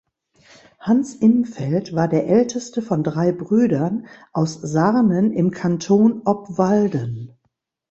Hans Imfeld war der älteste von drei Brüdern aus Sarnen im Kanton Obwalden.